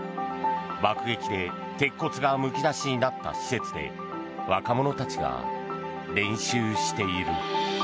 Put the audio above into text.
爆撃で鉄骨がむき出しになった施設で若者たちが練習している。